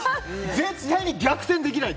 絶対に逆転できない。